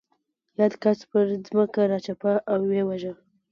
یاد کس پر ځمکه راچپه او ویې واژه.